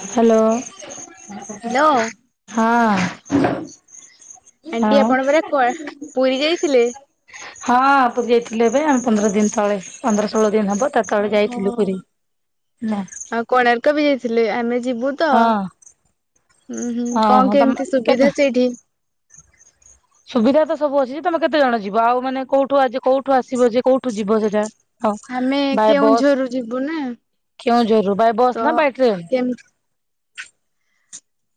[unintelligible] Hello hello ହଁ aunty ଆଉ ଆପଣ ପରା କୁଆ ପୁରୀ ଯାଇଥିଲେ। ହଁ, ପରୀ ଯାଇଥିଲୁ ଏବେ ଆମେ ପନ୍ଦର ଦିନ ତଳେ ପନ୍ଦର ଷୋହଳ ଦିନ ହବ। ଟ ତଳେ ଓହୋ। ଯାଇଥିଲୁ ପୁରୀ ନେ। ଆଉ କୋଣାର୍କ ବି ଯାଇଥିଲେ ଆମେ ଯିବୁ। ତ ହଁ ହୁଁ ହୁଁ କଣ ଓହୋ ତମେ କେମିତି କେତେ ସୁବିଧା ସେଇଠି। ସୁବିଧା ତ ସବୁ ଅଛି ତମେ କେତେ ଜଣ ଯିବ ଆଉ ମାନେ କୋଉଠୁ କୋଉଠୁ ଆସିବ ଯେ କୋଉଠୁ ଯିବ ସେଟା। ହଁ ଆମେ ବାଇ ବସ୍ କେଉଁଝରରୁ ଯିବୁ ନା କେଉଁଝର ରୁ ବାଇ ତ ବସ୍ ନା ବାୟ ଟ୍ରେନ୍। କେମ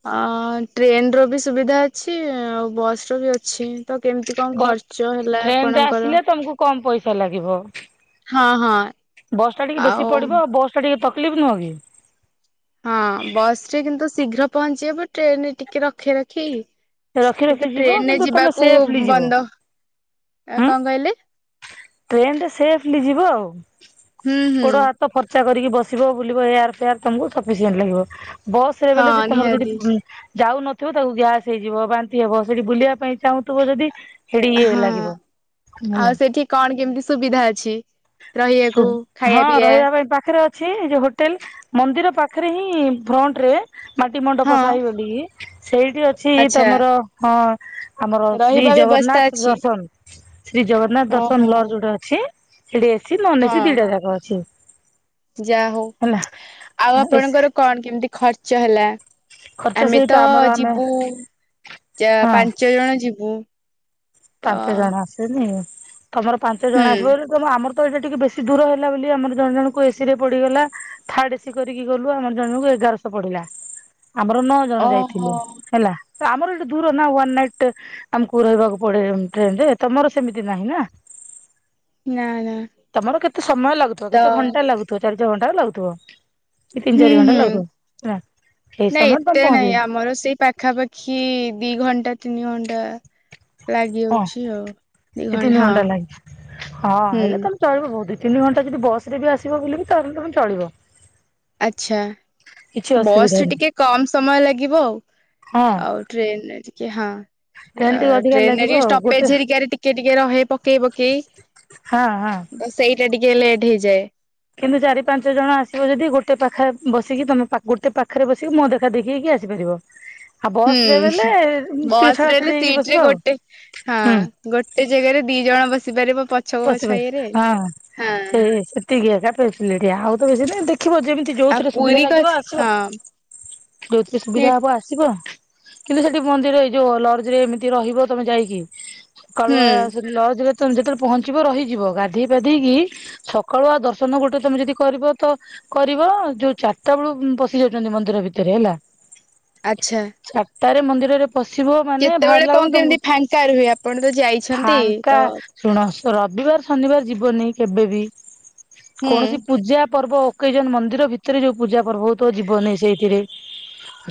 ଅ ଟ୍ରେନ ର ବି ସୁବିଧା ଅଛି ଆଉ ବଶ୍ ର ବି ଅଛି। ତ କେମିତି କଣ ବଟ ଖର୍ଚ୍ଚ ହେଲା ଟ୍ରେନରେ ଆପଣଙ୍କର? ଆସିଲେ ତମକୁ କମ ପଇସା ଲାଗିବ। ହଁ ହଁ ବସ୍ ଟା ଟିକେ ବେଶୀ ପଡିବ ଆଉ ବସ୍ ଟା ଟିକେ ତକଲିଫ୍ ନୁହେଁ କି। ହଁ ବସ ରେ କିନ୍ତୁ ଶୀଘ୍ର ପହଞ୍ଚି ହେବ ଟ୍ରେନରେ ଟିକେ ରଖି ରଖି। ରଖି ରଖି କିନ୍ତୁ ଯିବ ଟ୍ରେନରେ କିନ୍ତୁ ତମେ ଯିବାକୁ ସେଫଲି ଯିବ ବନ୍ଦ ଆଉ କଣ କହିଲେ। ଟ୍ରେନ୍ ରେ ସେଫ୍ ଲି ଜିବା ଆଉ ହୁଁ ହୁଁ ଗୋଡ଼, ହାତ। ଫର୍ଚା କରିକି ବସିବ, ବୁଲିବ, ଏୟାର, ଫେୟାର, ତମକୁ ସଫି ସିଏଣ୍ଟ ଲାଗିବ। ବସ ରେ ବୋଇଲେ ଯେ ହଁ ତମର ଯଦି ନିହାତି। ଯାଉନଥିବ ତାକୁ ଗ୍ୟାସ ହେଇଯିବ, ବାନ୍ତି ହେବ, ସେଠି ବୁଲିବା ପାଇଁ ଚାହୁଁଥିବ ଯଦି ହେଡିି ଇଏ ହଁ ଲାଗିବ ଆଉ ହେଲା, ଉଁ। ସେଠି କଣ କେମିତି ସୁବିଧା ଅଛି। ରହିବାକୁ ସୁବ୍, ଖାଇବା ହଁ ପିଇବା ରହିବା ପାଇଁ ପାଖରେ ଅ ଅଛି ଯେ ହୋଟେଲ ମନ୍ଦିର ପାଖରେ ହିଁ ଫ୍ରଣ୍ଟ ରେ ମାଟି ମଣ୍ଡପ ହଁ ସାହିବୋଲି। ସେଇଠି ଅଛି ଆଚ୍ଛା ତମର ହଁ ଆମର ଶ୍ରୀ ରହିବା ବ୍ୟବସ୍ଥା ଜଗନ୍ନାଥ ଅଛି। ଦର୍ଶନ। ଶ୍ରୀ ଜଗନ୍ନାଥ ଓହୋ ଦର୍ଶନ ଲଜ୍ ଯୋଉ ଟା ଅଛି। ସେଠି ଏସି, ନନ୍ ଏସି, ଦିଟା ଯାକ ଅଛି। ଯା ହଉ ହେଲା ଆଉ ଆପଣଙ୍କର କଣ କେମିତି ଖର୍ଚ୍ଚ ହେଲା। ଖର୍ଚ୍ଚ ଆମେ ସହିତ ତ ଆମର ଆମେ ଯିବୁ ହଁ ପାଞ୍ଚ ଜଣ ଯିବୁ। ତ ପାଞ୍ଚ ଜଣ ଆସେନି ତମର ପାଞ୍ଚ ହୁଁ ଜଣ ଆସିବ। ତ ଆମର ତ ଏଇଟା ଟିକେ ବେଶୀ ଦୂର ହେଲା ବୋଲି ଆମର ଜଣେ ଜଣଙ୍କୁ ଏସି ରେ ପଡିଗଲା ଥାର୍ଡ ଏ ସି କରିକି ଗଲୁ ଆମର ଜଣକୁ ଏଗାରଶହ ପଡ଼ିଲା ଆମର ନଅ ଜଣ ଓହୋ ଯାଇଥିଲେ ହେଲା ତ ଆମର ଏଠି ଦୂର ନା ୱନ୍ ନାଇଟ ଆମକୁ ରହିବାକୁ ପଡ଼େ ଟ୍ରେନ ରେ ତମର ସେମିତି ନାହିଁ ନା ନା ନା ତମର କେତେ ସମୟ ଲାଗୁଥିବ ତ କେତେ ଘଣ୍ଟା ଲାଗୁଥିବ ଚାରି ଛଅ ଘଣ୍ଟା ର ଲାଗୁଥିବ। କି ତିନି ହୁଁ ଚାରି ଘଣ୍ଟା ହୁଁ ଲାଗୁଥିବ। ନା ସେଇ ନାଇଁ ସମୟରେ ତମେ ଏତେ ନାଇଁ ପହଞ୍ଚିଯିବ ଆମର ସେଇ ପାଖାପାଖି ଦି ଘଣ୍ଟା ତିନି ଘଣ୍ଟା ଲାଗି ହଁ ଯାଉଛି ଆଉ ଦି ଘଣ୍ଟା ହଁ ହଁ ହେଲେ ହୁଁ। ତମେ ଚଳିବ ବହୁତ ଦିଇ ତିନି ଘଣ୍ଟା ଯଦି ବସରେ ବି ଆସିବ ବୁଲିକି ତାହେଲେ ବି ତମର ଚଳିବ। ଆଚ୍ଛା କିଛି ଅସୁବିଧା ବସ ରେ ନାହିଁ। ଟିକେ କମ ସମୟ ଲାଗିବ ଆଉ। ହଁ ଆଉ ଟ୍ରେନରେ ଟିକେ ହଁ ଟ୍ରେନ ଟିକେ ଅଧିକା ଟ୍ରେନରେ ଲାଗିବ ଟିକେ ଆଉ ଗୋଟେ ଷ୍ଟପେଜ ହେରିକା ରେ ଟିକେ ଟିକେ ଟିକେ ରହେ ପକେଇ ପକେଇ ହଁ ହଁ। ତ ସେଇଟା ଟିକେ ଲେଟ୍ ହେଇଯାଏ। କିନ୍ତୁ ଚାରି ପାଞ୍ଚ ଜଣ ଆସିବ ଯଦି ଗୋଟେ ପାଖରେ ବସିକି ତମେ ଗୋଟେ ପାଖରେ ବସିକି ମୋ ଦେଖା ଦେଖି ହେଇକି ଆସିପାରିବ। ଆଉ ବସ୍ ରେ ବେଲେ ହୁଁ ଟିକେ ବସ ଛଡା ରେ ଛଡି ହେଲେ ହେଇକି ସିଟ ବସିବ ରେ ଆଉ ଗୋଟେ ହଁ। ହୁଁ ଗୋଟେ ଜାଗାରେ ଦି ଜଣ ବସି ପାରିବ ବଶିବ ହଁ। ସେଇ ସେତିକି ଏକା ଫାସିଲିଟି ଆଉ ତ ବେଶି ନାଇଁ ଦେଖିବ ଯେମିତି ଆଉ ଯୋଉଥିରେ ସୁବିଧା ପୁରୀ କ ଲାଗିବ ଆସିବ। ହଁ। ଯୋଉଥିରେ ନେ ସୁବିଧା ହବ ଆସିବ କିନ୍ତୁ ସେଠି ମନ୍ଦିର ଏଇ ଯୋଉ ଲଜ ରେ ଏମିତି ରହିବ ତମେ ଯାଇକି ହୁଁ ସକାଳୁଆ ଲଜ ରେ ତେ ଯେତେବେଳେ ପହଞ୍ଚିବ ରହିଯିବ ଗାଧେଇ ପାଧେଇକି ସକାଳୁଆ ଦର୍ଶନ ଗୋଟେ ତମେ ଯଦି କରିବ ତ କରିବ ଯୋଉ ଚାରିଟା ବେଳୁ ପଶି ଯାଉଛନ୍ତି ମନ୍ଦିର ଭିତରେ ହେଲା ଆଚ୍ଛା। ସାତଟାରେ ମନ୍ଦିରରେ ପଶିବ ମାନେ କେତେବେଳେ ବାହାରିଲା କଣ ବେଳକୁ ତମକୁ କେମିତି ଫାଙ୍କା ରୁହେ ଆପଣ ତ ଯାଇଛନ୍ତି ଫାଙ୍କା ତ ଶୁଣ ରବିବାର ଶନିବାର ଯିବନି କେବେବି ହୁଁ କୌଣସି ପୂଜା ପର୍ବ ଓକେଜନ ମନ୍ଦିର ଭିତରେ ଯୋଉ ପୂଜା ପର୍ବ ହଉଥିବ ତ ଯିବନି ସେଇଥିରେ।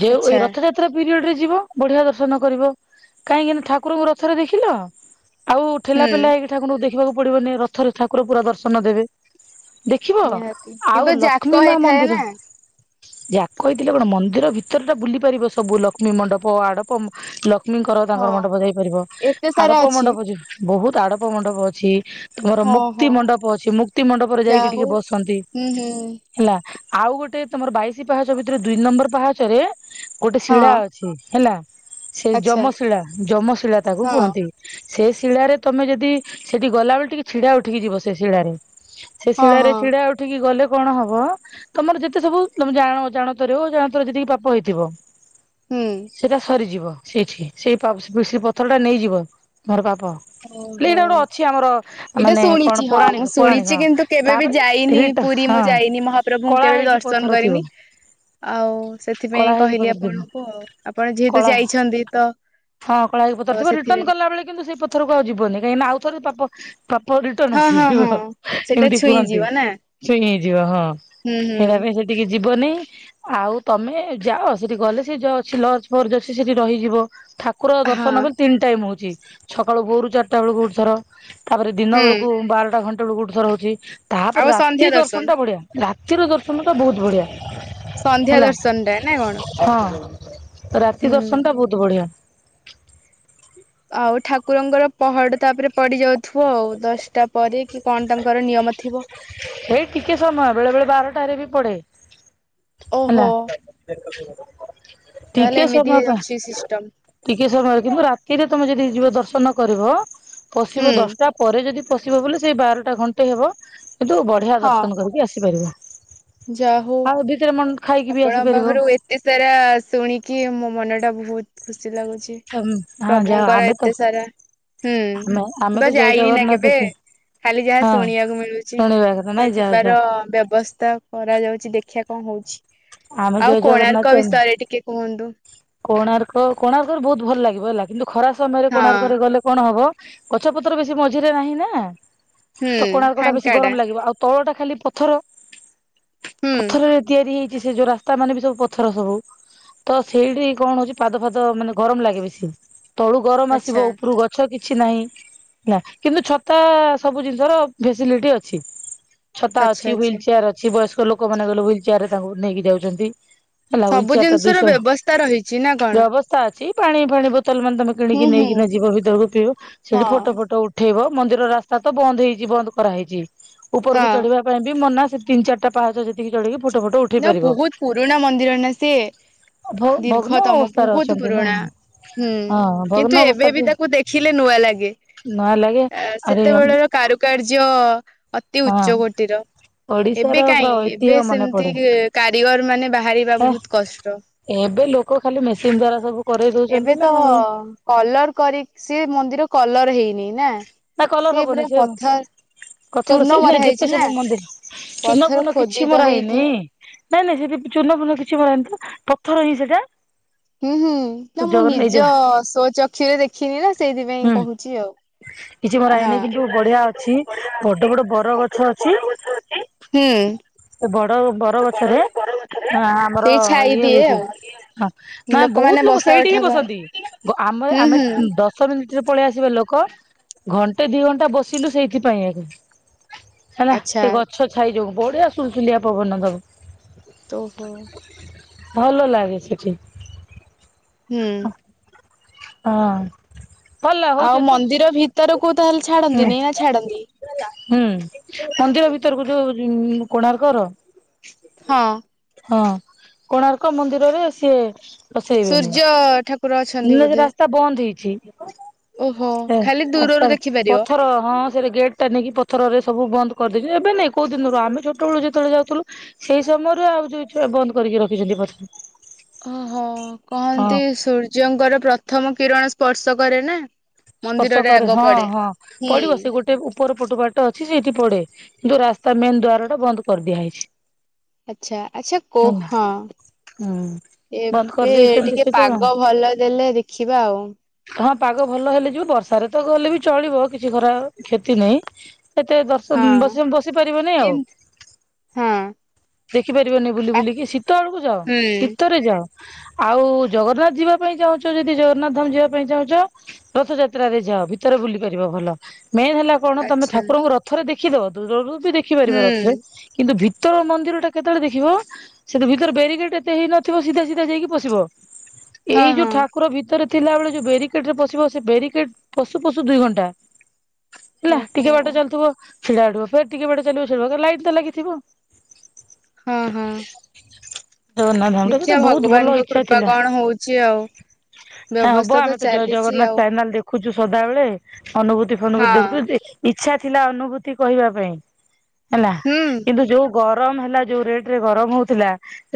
ଯୋଉ ଏଇ ଆଚ୍ଛା ରଥଯାତ୍ରା ପିରିୟଡ଼ ରେ ଯିବ ବଢ଼ିଆ ଦର୍ଶନ କରିବ। କାହିଁକିନା ଠାକୁରଙ୍କୁ ରଥରେ ଦେଖିଲ ଆଉ ଠେଲା ହୁଁ ପେଲା ହେଇକି ଠାକୁରଙ୍କୁ ଦେଖିବାକୁ ପଡ଼ିବନି। ରଥରେ ଠାକୁର ପୁରା ଦର୍ଶନ ଦେବେ। ଦେଖିବ ନିହାତି ଆଉ କିନ୍ତୁ ଯାକ ଲକ୍ଷ୍ମୀ ମା ହେଇଥାଏ ନା ମନ୍ଦିର ଯା କହିଥିଲେ କଣ ମନ୍ଦିର ଭିତରେ ଟା ବୁଲି ପାରିବ ସବୁ ଲକ୍ଷ୍ମୀ ମଣ୍ଡପ ଆଡ଼ପ ଲକ୍ଷ୍ମୀଙ୍କର ତାଙ୍କର ହଁ ମଣ୍ଡପ ଯାଇପାରିବ ଏତେ ସାରା ଆଡ଼ପ ଅଛି ମଣ୍ଡପ ବହୁତ ଆଡ଼ପ ମଣ୍ଡପ ଅଛି ତୁମର ହଁ ମୁକ୍ତି ହଁ ମଣ୍ଡପ ଅଛି ମୁକ୍ତି ମଣ୍ଡପରେ ଯାହା ଯାଇକି ହଉ ଟିକେ ବସନ୍ତି ହୁଁ ହୁଁ ହେଲା ଆଉ ଗୋଟେ ତମର ବାଇଶି ପାହାଚ ଭିତରେ ଦୁଇ ନମ୍ବର ପାହାଚରେ ଗୋଟେ ଶିଳା ହଁ ଅଛି ହେଲା ସେ ଆଚ୍ଛା ଯମଶିଳା ଯମଶିଳା ତାକୁ ହଁ କୁହନ୍ତି ସେ ଶିଳାରେ ତମେ ଯଦି ସେଠି ଗଲା ବଳେ ଟିକେ ଛିଡା ଉଠିକି ଯିବ ସେ ଶିଳାରେ ସେ ହଁ ଶିଳାରେ ହଁ ଛିଡା ଉଠିକି ଗଲେ କଣ ହବ ତମର ଯେତେ ସବୁ ତମେ ଜାଣ ଅଜାଣତରେ ଜାଣତରେ ଯେତିକି ପାପ ହେଇଥିବ ହୁଁ ସେଟା ସରିଯିବ। ସେଇଠି ସେଇ ପଥର ଟା ନେଇଯିବ ତମର ପାପ। ହେଲେ ଏଇଟା ଗୋଟେ ଅଛି ଆମର ଓହୋଃ ଏଇଟା ମାନେ କଣ ଶୁଣିଛି ହଁ ପୌରାଣିକ ମୁଁ ପୌରାଣିକ ଶୁଣିଛି ହଁ କିନ୍ତୁ କେବେ ବି ତାପରେ ଯାଇନି ରିଟ ପୁରୀ ହଁ ମୁଁ ଯାଇନି ମହାପ୍ରଭୁଙ୍କୁ କଳା କେବେ ବି ହେଇକି ପଥର ଦର୍ଶନ ଥିବ। କରିନି ଆଉ କଳା ସେଥିପାଇଁ ହେଇକି କହିଲି ପଥର ଥିବ ଆପଣଙ୍କୁ ଆଉ ଆପଣ ଯେହେତୁ କଳା ଯାଇଛନ୍ତି ତ ହଁ କଳା ହେଇକି ପଥର ତ ଥିବ ରିଟର୍ଣ୍ଣ ସେଥିପାଇଁ କଲାବେଳେ କିନ୍ତୁ ସେ ପଥରକୁ ଆଉ ଯିବ ନାହିଁ କାହିଁକି ନା ଆଉଥରେ ପାପ ପାପ ରିଟର୍ଣ୍ଣ ହଁ ହଁ ଆସିଯିବ ହଁ ସେଟା ଏମିତି କୁହନ୍ତି। ଛୁଇଁଯିବ ନା ଛୁଇଁ ହେଇଯିବ ହଁ ହୁଁ ହୁଁ ହେଇଟା ପାଇଁ ସେ ଟିକେ ଯିବନି ଆଉ ତମେ ଯାଅ ସେଠି ଗଲେ ସେଠି ଅଛି ଲଜ୍ ଫଜ୍ ଅଛି ସେଠି ରହିଯିବ ଠା ଠାକୁର ଦର୍ଶନ ହଁ ପାଇଁ ତିନି ଟାଇମ୍ ହଉଛି ସକାଳୁ ଭୋରୁ ଚାରିଟା ବେଳ ଗୋଟେ ଥର ତାପରେ ଦିନ ହୁଁ ବେଳକୁ ବାରଟା ଘଣ୍ଟ ବେଳକୁ ଗୋଟେ ଥର ହଉଛି। ଆଉ ତାପରେ ସନ୍ଧ୍ୟା ରାତି ଦର୍ଶନ ଟା ବଢିଆ। ରାତିର ଦର୍ଶନ ଟା ବହୁତ ବଢ଼ିଆ। ସନ୍ଧ୍ୟା ହେଲା ଦର୍ଶନ ଟା ନା କଣ ହଁ ରାତି ହୁଁ ଦର୍ଶନ ଟା ବହୁତ ବଢିଆ। ଆଉ ଠାକୁରଙ୍କର ପହଡ ତାପରେ ପଡି ଯାଉଥିବ। ଆଉ ଦଶଟା ପରେ କି କଣ ତାଙ୍କର ନିୟମ ଥିବ। ଏଇ ଟିକେ ସମୟ ବେଳେ ବେଳେ ବାରଟାରେ ବି ପଡେ ଓହୋ ହେଲା। ଦ [unintelligible] ତାହେଲେ ଏମିତି ଅଛି ସିଷ୍ଟମ। ଟିକେ ସମୟ, କିନ୍ତୁ ରାତିରେ ତମେ ଯଦି ଯିବ ଦର୍ଶନ କରିବ ହୁଁ ପଶିବ ଦଶଟା ପରେ ଯଦି ପଶିବ ବୋଲେ, ସେଇ ବାରଟା ଘଣ୍ଟେ ହେବ କିନ୍ତୁ ବଢିଆ ହଁ ଦର୍ଶନ କରିକି ଆସିପାରିବ। ଯା ହଉ ଆଉ ଭିତରେ ମ ଖାଇକି ବି ଆସିପାରିବ। ଏ ସାରା ଶୁଣିକି ମୋ ମନ ଟା ବହୁତ ଖୁସି ଲାଗୁଛି, ହଁ ଯାଅ ପ୍ରଭୁଙ୍କର ଆମେ ତ ଏତେ ସାରା ହୁଁ ଆମେ ମୁଁ ଆମେ ତ ଜୟ ଯାଇନି ନା ଜଗନ୍ନାଥ କେବେ। ଦେଖି ଖାଲି ଯାହା ହଁ ଶୁଣିବାକୁ ମିଳୁଛି ଶୁଣିବା କଥା ତ ନାଇଁ ଯାଅ ଯାଅ ଯିବାର ବ୍ୟବସ୍ଥା କରାଯାଉଛି, ଦେଖିବା କଣ ହଉଛି ଆମେ ଜୟ ଆଉ କୋଣାର୍କ ଜଗନ୍ନାଥ ବିଷୟରେ ଟିକେ କୁହନ୍ତୁ। କୋଣାର୍କ କୋଣାର୍କରେ ବହୁତ ଭଲ ଲାଗିବ ହେଲା। କିନ୍ତୁ ଖରା ସମୟରେ ହଁ କୋଣାର୍କରେ ଗଲେ କଣ ହବ ଗଛ ପତ୍ର ବେଶୀ ମଝିରେ ନାହିଁ ନା ହୁଁ ତ କୋଣାର୍କ ଟା ବେଶୀ ଫାଙ୍କା ଗରମ ଲାଗିବ। ଆଉ ତଳ ଟା ଖାଲି ପଥର ହୁଁ ପଥରରେ ତିଆରି ହେଇ ସେ ଯୋଉ ରାସ୍ତା ମାନେ ବି ସବୁ ପଥର ସବୁ। ତ ସେଇଠି କଣ ହଉଛି ପାଦ ଫାଦ ମାନେ ଗରମ ଲାଗେ ବେଶି। ତଳୁ ଗରମ ଆଚ୍ଛା। ଆସିବ ଉପରୁ ଗଛ ଛ କିଛି ନାହିଁ। ନା କିନ୍ତୁ ଛତା ସବୁ ଜିନିଷର ଫେସିଲିଟି ଅଛି। ଛତା ଆଚ୍ଛା ଅଛି ଆଚ୍ଛା ହ୍ୱବିଲ ଚେୟାର ଅଛି। ବୟସ୍କ ଲୋକମାନେ ଗଲେ ହ୍ୱିଲ ଚେୟାର ରେ ତାଙ୍କୁ ନେଇକି ଯାଉଛନ୍ତି। ହେଲା ହ୍ୱିଲ ସବୁ ଚେୟାରଟା ଜିନିଷ ର ଦୁଇସ ବ୍ୟବସ୍ଥା ରହିଛି ନା କଣ? ବ୍ୟବସ୍ଥା ଅଛି, ପାଣି ଫାଣି ବୋତଲ ମାନେ ତମେ ହୁଁ କିଣିକି ହୁଁ ନେଇକିନା ଯିବ ଭିତରକୁ ପିଇବ। ସେଠି ଫଟୋ ହଁ। ଫଟ ଉଠେଇବ। ମନ୍ଦିର ରାସ୍ତା ତ ବନ୍ଦ ହେଇଛି ବନ୍ଦ କରାହେଇଛି ଉପରକୁ ହଁ ଚଢିବା ପାଇଁ ବି ମନା ସେ ତିନି ଚାରିଟା ପାହାଚ ସେତିକି ଚଳକି ଫୋଟ ଫଟୋ ଉ ନା ବହୁତ ପୁରୁଣା ମନ୍ଦିର ନା ସେ ଭ ଭଗ୍ନ ଦୀର୍ଘ ତମ ଅବସ୍ଥାରେ ବହୁତ ଅଛନ୍ତି ନା ପୁରୁଣା। ହୁଁ ହଁ ଭଗ୍ନ କିନ୍ତୁ ଏବେ ବି ଅବସ୍ଥାରେ ତାକୁ ଦେଖିଲେ ନୂଆ ଲାଗେ। ନ ଲାଗେ ଆ ଆରେ ସେତେବେଳ କାରୁକାର୍ଯ୍ୟ ଅତି ହଁ ଉଚ୍ଚ କୋଟିର, ଓଡିଶାର ଏବେ ପୁରା କାହିଁ ଏବେ ଐତିହ୍ୟ ମନେ ସେମି ଏତି ପଡେ। କାରିଗର ମାନେ ବାହାରିବା ହେ ବହୁତ କଷ୍ଟ। ଏବେ ଲୋକ ଖାଲି ମେସିନ୍ ଦ୍ଵାରା ସବୁ କରେଇ ଦଉଛନ୍ତି ଏବେ ନା ତ ଆଉ। କଲର କରିକି ସେ ମନ୍ଦିର କଲର ହେଇନି ନା। ନା କଲର ପୁରା ହବନି ସିଏ। ପଥର କଥାର ଚୂର୍ଣ୍ଣ ସେଇ ମରା ନାଇଁ ହେଇଛି ଯେତେ ନା ସବୁ ମନ୍ଦିର ପଥର ଚିନପୁନ କିଛି ଖୋଦିତ ମର ହେଇକି ହେଇନି। ନାଇଁ ନାଇଁ ସେଠି ଚୂନ ଫୁନ କିଛି ମରାହେଇନି ତ ପଥର ହିଁ ସେଟା। ହୁଁ ହୁଁ ନା ମୁଁ ଜଗନ୍ନା ଏଇ ନିଜ ଯୋଉ ସୋଚକ୍ଷୁରେ ଦେଖିନି ନା ସେଇଥିପାଇଁ ହୁଁ କହୁଛି ଆଉ। କିଛି ମରା ହଁ ହେଇନି କିନ୍ତୁ ବଢିଆ ଅଛି ବଡ ବଡ ବର ଗଛ [unintelligible] ହୁଁ। ଏ ବଡ ବର ବଡ ଗଛରେ ବରଗଛରେ ଅ ସେଇ ଆମର ଛାଇ ଇଏ ଦିଏ ହଉଛି। ଆଉ ହଁ ନା ଲୋକମାନେ ବହୁତ ଲୋକ ବସା ସେଇଠି ହିଁ ଉଠା କର ବସନ୍ତି। ଗ ଆମ ହୁଁ ଆମେ ହୁଁ ଦଶ ମିନିଟ୍ ରେ ପଳେଇ ଆସିବା ଲୋକ, ଘଣ୍ଟେ ଦି ଘଣ୍ଟା ବସିଲୁ ସେଇଥିପାଇଁ ଆଗେ। ହେଲା ଆଚ୍ଛା। ସେ ଗଛ ଛାଇ ଯୋଉ ବଢିଆ ଶୁଲୁସୁଲିଆ ପବନ ଦବ। ଓହୋ। ଭଲ ଲାଗେ ସେଠି। ହୁଁ। ହଁ। ଭଲ ଆଉ ହଉଛି ତ ମନ୍ଦିର ଭିତରକୁ ତାହେଲେ ହୁଁ। ଛାଡନ୍ତିନି ନା ଛାଡନ୍ତି। ହୁଁ ମନ୍ଦିର ଭିତରକୁ ଯୋଉ କୋଣାର୍କର। ହଁ। ହଁ କୋଣାର୍କ ମନ୍ଦିରରେ ସିଏ ପସେଇବେନି, ସୂର୍ଯ୍ୟ ଠାକୁର ଅଛନ୍ତି ଇଲେ ହେରା। ବୋଧେ ରାସ୍ତା ବନ୍ଦ ହେଇଛି ଓହୋ ଖାଲି ଦୂରରୁ ରା ଦେଖିପାରିବ। ପଥର ହଁ। ସେ ଗେଟ୍ ଟା ନେଇିକି ପଥରରେ ସବୁ ବନ୍ଦ କରିଦେଇଉଛି ଏବେ ନାଇଁ କୋଉ ଦିନରୁ ଆମେ ଛୋଟବେଳୁତବେଳେ ଯାଉଥିଲୁ। ସେଇ ସମୟରୁ ଆଉ ଯୋଉ ଛୁଆ ବନ୍ଦ କରିକି ରଖିଛନ୍ତି ପଛ। ଓହୋ କହନ୍ତି ସୂର୍ଯ୍ୟଙ୍କର ପ୍ରଥମ କିରଣ ସ୍ପର୍ଶ କରେ ନା। ସ୍ପର୍ଶ ମନ୍ଦିରରେ କରେ ଆଗ ହଁ ପଡେ ହଁ ହୁଁ ପଡିବ ସେ ଗୋଟେ। ଉପର ପଟୁ ବାାଟ ଅଛି ସେଇଠି ପଡେ କିନ୍ତୁ ରାସ୍ତା ମେନ ଦ୍ୱାର ଟା ବନ୍ଦ କରିଦିଆ ହୋଇଛି। ଆଚଛା ଆଚ୍ଛା କୋ ହଁ। ହୁଁ। ବନ୍ଦ ଏବେ କରିଦେଇଛନ୍ତି ଟିକେ ସେଇଟା ପାଗ ଭଲ ଦେଲେ ଦେଖିବା ଆଉ। ହଁ ପାଗ ଭଲ ହେଲେ ଯିବ ବର୍ଷାରେ ତ ଗଲେ ବି ଚଳିବ କିଛି ଖରା କ୍ଷତି ନାହିଁ ଏତେ। ବ ହଁ ବସି ପାରିବନି ଆଉ। କିନ୍ତ ହଁ ଦେଖି ପାରିବନି ବୁଲି ପା ବୁଲିକି ଶୀତ ବଳକୁ ଯାଅ ହୁଁ ଶୀତରେ ଯାଅ। ଆଉ ଜଗନ୍ନାଥ ଯିବା ପାଇଁ ଚାହୁଁଛ ଯଦି ଜଗନ୍ନାଥ ଧାମ ଯିବା। ଚାହୁଁଛ ରଥଯାତ୍ରାରେ ଯାଅ ଭିତରେ ବୁଲି କରିବ ଭଲ ମେନ୍ ହେଲା କଣ ତମେ ଆଚ୍ଛା ଠାକୁରଙ୍କୁ ରଥ। ରଥରେ ଦେଖିଦବ ଦୂରୁ ବି ହୁଁ ଦେଖିପାରିବ ରଥରେ କିନ୍ତୁ ଭିତର ମନ୍ଦିର ଟା କେତେବେଳେ ଦେଖିବ। ସେ ତ ଭିତରେ ବ୍ୟାରିକେଟ ଏତେ ହେଇ ନଥିବ ସିଧା ସିଧା ଯାଇକି ପସିବ। ଏଇ ହଁ ଯୋଉ ହଁ ଠାକୁର ଭିତରେ ଥିଲାବେଳେ ଯୋଉ ବାରିକେଡ ରେ ପସିବ ସେ ବାରିକେଡ ପଶୁ ପଶୁ ଦୁଇ ଘଣ୍ଟା। ହେଲା ଓହୋ। ଟିକେ ବାଟ ଚାଲଥିବ ଛିଡା ଅଡିବ ଫେର ଟିକେ ବାଟେ ଚାଲିବ ସେ ରହିବ କା ଲାଇଟ୍ ତ ଲାଗିଥିବ। ହୁ ହୁଁ। ଜଗନ୍ନାଥା ଧାମ ଟା ବହୁତ ଭଲ ଭଗବାନଙ୍କ ଇଛା କୃପା ଥିଲା କଣ ହଉଛି ଆଉ ବ୍ୟବସ୍ଥା ହବ ଆ ତ ଜୟ ଚାଲିଛି ଜଗନ୍ନାଥ ଆଉ। ଚ୍ୟାନେଲ ଦେଖୁଛୁ ସଦାବେଳେ ଅନୁଭୂତି ଫନୁଭୂତି ହଁ ଦେଖୁଛୁ ଇଚ୍ଛା ଥିଲା ଅନୁଭୂତି କହିବା ପାଇଁ ହେଲା ହୁଁ କିନ୍ତୁ ଯୋଉ ଗରମ ହେଲା ଯୋଉ ରେଟରେ ଗରମ ହଉଥିଲା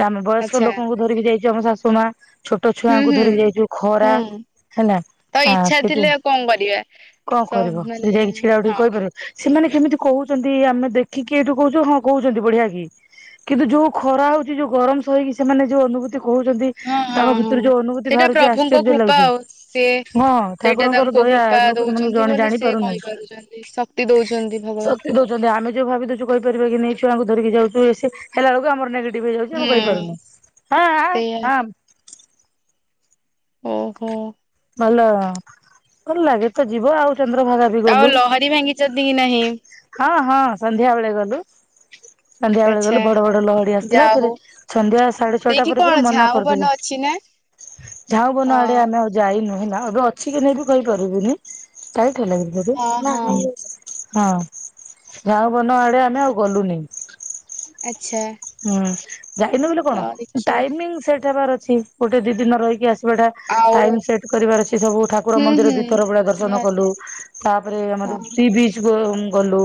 ଆମେ ବୟସ୍କ ଆଚ୍ଛା ଲୋକଙ୍କୁ ଧରିକି ଯାଇଛୁ ଆମ ଶାଶୁ ମା। ଛୋଟ ହୁଁ ଛୁଆଙ୍କୁ ହୁଁ ଧରିକି ଯାଇଛୁ ଖରା। ହୁଁ ନା ତ ଇଚ୍ଛା ସେଠି ଥିଲେ ଆଉ କଣ କରିବା। କଣ ସ କରିବ ସେଠି ମାନେ ଯାଇକି ଛିଡା ହଁ ଉଠିକି କହି ସେମାନେ କେମିତି କହୁଛନ୍ତି ଆମେ ଦେଖିକି ଏଇଠୁ କହୁଛୁ ହଁ କହୁଛନ୍ତି ବଢିଆ କି? କିନ୍ତୁ ଯୋଉ ଖରା ହଉଛି ଯୋଉ ଗରମ ସହିକି ସେମାନେ ଯୋଉ ଅନୁଭୁ କହୁଛନ୍ତି ହଁ ତାଙ୍କ ହଁ ଭିତରୁ ଯୋଉ ଅନୁଭୂତି ବାହାରୁଛି ଆଶ୍ଚର୍ଯ୍ୟ ଲାଗୁଛି। ସି ହଁ ସେଇଟା ଠାକୁରଙ୍କର ତାଙ୍କୁ ଦୟା କୃପା ଲୋକ ସେମାନଙ୍କୁ ଦଉଛନ୍ତି ଜଣେ ବୋଲି ଜାଣି ସିଏ କହିପାରୁଛନ୍ତି। ସ କ୍ତି ଦଉଛନ୍ତି ଭଗ କ୍ତି ଦଉଛନ୍ତି ଆମେ ଯଉ ଭାବି ଦଉଛୁ କହିପାରିବା କି ନେଇ ଛୁଆଙ୍କୁ ଧରିକି ଯାଉଛୁ ଇଏ ସିଏ ହେଲା ବଳକୁ ଆମ [unintelligible] ଆମେ ହୁଁ କହିପାରୁନୁ ଆଃ ଆଃ ସେଇଆ ଆଃ ଓହୋ। ଭଲ ଭଲ ଲାଗେ ତ ଯିବ ଆଉ ଚନ୍ଦ୍ରଭାଗା ବି ଆଉ ଗଲୁ। ଲହରୀ ଭାଙ୍ଗିଛନ୍ତି କି ନାହିଁ। ହଁ ହଁ ସନ୍ଧ୍ୟା ବେଳେ ଗଲୁ। ସନ୍ଧ୍ୟା ବେଳେ ଗଲୁ ଆଚ୍ଛା ବଡ ବଡ ଲହଡି ଆସୁଥିଲା ଯା ପରେ ହଉ ସନ୍ଧ୍ୟା ସାଢେ ଛଅଟା ସେଇଠି ପରେ କଣ ପରେ ମନା ଝାଉଁ ବନ କରିଦେଲେ। ଅଛି ନା? ଝାଉଁ ବନ ଆଡେ ଆମେ ଅ ଯାଇନୁ ହେଁ ନା ଏବେ ଅଛି କି ନାଇ ବି କହିପାରିବିନି ଯାଇ ହଁ ହଁ [unintelligible] ହଁ। ଝାଉଁବନ ଆଡେ ଆମେ ଆଉ ଗଲୁନି। ଆଛା। ହୁଁ ଯାଇନ ବୋଲି କଣ ଟାଇମିଙ୍ଗ ସେଠ ହେବାର ଅଛି ଗୋଟେ ଦି ଦିନ ରହିକି ଆସି ବାଟା ଆଉ ଟାଇମ ସେଟ୍ କରିବାର ଅଛି ସବୁ ଠାକୁର ହୁଁ ମନ୍ଦିର ହୁଁ ଦିଥର ଭଳିଆ ଦର୍ଶନ ନିହାତି କଲୁ। ତାପରେ ହଁ ଆମର ସି ବିଚ ଗ-ଗଲୁ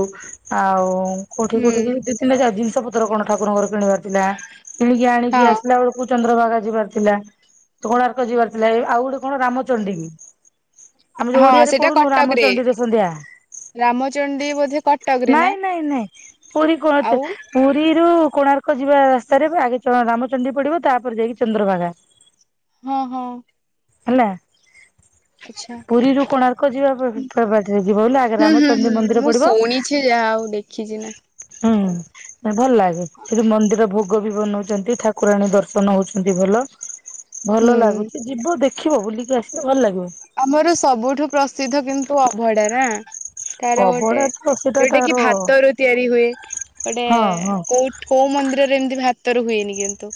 ଆଉ କୋଉଠି ହୁଁ କୋଉଠିକ ଜିନିଷ ପତ୍ର କଣ ଠାକୁରଙ୍କର କିଣିବାର ଥିଲା କିଣିକି ଆଣିକି ହଁ ଆସିଲା ବଳକୁ। କୁ ଚନ୍ଦ୍ରଭାଗା ଯିବାର ଥିଲା କୋଣାର୍କ ଯିବାର ଥିଲା ଏଇ ଆଉ ଗୋଟେ କଣ ରାମଚଣ୍ଡୀ କି ଆମେ ଯୋଉ ହଁ ଓଡିଆରେ ସେଇଟା ପଢୁନୁ କଟକରେ ରାମଚଣ୍ଡୀରେ ସନ୍ଧ୍ୟା। ରାମଚଣ୍ଡୀ ବୋଧେ କ ନାଇଁ ନାଇଁ ନାଇଁ ପୁରୀ କଚ ଆଉ ପୁରୀରୁ କୋଣାର୍କ ଯିବା ରାସ୍ତାରେ ଆଗେ ଚ ରାମଚଣ୍ଡୀ ପଡିବ ତାପରେ ଯାଇକି ଚନ୍ଦ୍ରଭାଗା। ହଁ ହଁ। ହେଲା। ଆଚ୍ଛା। ପୁରୀରୁୁ କୋଣାର୍କ ଯିବା [unintelligible] ଆଗେ ହୁଁ ହୁଁ ରାମଚଣ୍ଡୀ ହୁଁ ମନ୍ଦିର ମୁଁ ପଡିବ ଶୁଣିଛି ଯାହା ଆଉ ଦେଖିଛି ନା। ହଁ। ହୁଁ ନା ଭଲ ଲାଗେ ସେଠି ମନ୍ଦିର ଭୋଗ ବି ବନଉଛନ୍ତି ଠାକୁରାଣୀ ଦର୍ଶନ ହଉଛନ୍ତି ଭଲ। ଭଲ ଲାଗୁଛି ଯିବୁ ଦେଖିବ ବୁଲିକି ଆସିବ ଭଲ ଲାଗିବ। ଆମର ସବୁଠୁ ପ୍ରସିଦ୍ଧ କିନ୍ତୁ ଅଭଡା ନା। ତାର ଗୋଟେ ଅବଢା ତ ସେଟା ଯୋଉଟା କି ତାର ଭାତ ରୁ ତିଆରି ହୁଏ ଗୋଟେ ହଁ ହଁ କୋଉ କୋଉ ମନ୍ଦିରରେ ଏମିତି ଭାତରୁ ହୁଏନି କିନ୍ତୁ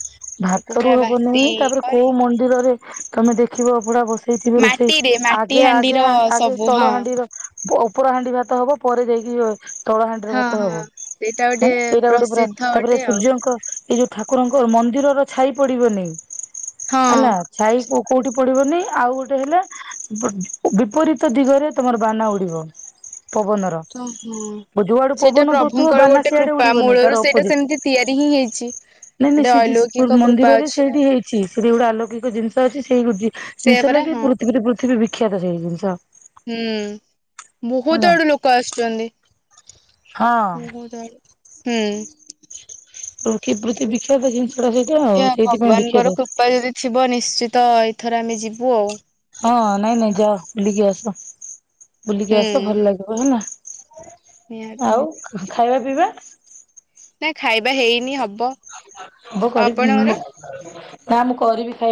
ତାକୁ ଭାତରୁ ପୁରା ବାସି ହବନାହିଁ ତାପରେ କରି କୋଉ ମନ୍ଦିରରେ ତମେ ଦେଖିବ ଅବଡା ବସ ସେଇଥିରେ ରୋଷେଇ ମାଟିରେ ମାଟି ଆଗେ ହାଣ୍ଡିର ଆଗେ ଆଗେ ସବୁ ହଁ। ତଳହାଣ୍ଡି ର ପ ଉପର ହାଣ୍ଡି ଭାତ ହବ ପରେ ଯାଇକି ତଳହାଣ୍ଡିରେ ହଁ ଭାତ ହବ ହଁ ସେଇଟା ଉଁ ଗୋଟେ ଏଇଟା ଗୋଟେ ପୁରା ପ୍ରସିଦ୍ଧ ତାପରେ ଗୋଟେ ଆଉ ସୂର୍ଯ୍ୟଙ୍କ ଏଇ ଯୋଉ ଠାକୁରଙ୍କ ମନ୍ଦିରର ଛାଇ ପଡିବନି ଏଲା। ହଁ। ଛାଇ କୋଉ କୋଉଠି ପଡିବନି ଆଉ ଗୋଟେ ହେଲେ ବ-ବିପରୀତ ଦିଗରେ ତମର ବାନା ଉଡିବ ପବନର। ତ ହଁ ଯୁଆଡୁ ସେଇଟା ପବନ ଦଉଥିବ ପ୍ରଭୁଙ୍କର ବାନା ଗୋଟେ ସିଆଡେ କୃପା ଉଡିବନି ମୂଳରୁ ତାର ସେଇଟା ଅପୋଜିଟ ସେମିତି ତିଆରି ହିଁ ହେଇଛି। ନାଇଁ ନାଇଁ ଗୋଟେ ସେ ଯୀସ ପୁର୍ ଅଲୌକିକ କୃପା ମନ୍ଦିରରେ ଅଛି ନା ସେଇଠି ହେଇଛି ସେଠି ଗୋଟେ ଆଲୌକିକ ଜିନିଷ ଅଛି ସେଇ ଯି ସେଇଆ ଜିନିଷ ପରା ଲାଗି ହଁ। ପୃଥିବୀରେ ପୃଥିବୀ ବିଖ୍ୟାତ ସେଇ ଜିନିଷ ହୁଁ ବହୁତ ହେଲା ଆଡୁ ଲୋକ ଆସୁଛନ୍ତି। ହୁଁ ହଉ ତାହେଲେ ହୁଁ ପୃଥି ପୃଥିବୀ ବିଖ୍ୟାତ ଜିନିଷ ଟା ସେଇଟା ଆଉ ସେଆ ସେଇଥିପାଇଁ ଭଗବାନଙ୍କର ବିଖ୍ୟାତ। [unintelligible] ଯଦି ଥିବ ନିଶ୍ଚିତ ଏଇଥର ଆମେ ଯିବୁ ଆଉ। ହଁ ନାଇଁ ନାଇଁ ଯାଅ ବୁଲିକି ଆସ ବୁଲିକି ହୁଁ ଆସ ଭଲ ଲାଗିବ ହେଲା। ନିହାତି ଆଉ ଖା-ଖାଇବା ପିଇବା? ନା ଖାଇବା ହେଇନି ହବ ହବ ଆ କରି ଆପଣଙ୍କର? ନା ମୁଁ କରିବି ଖା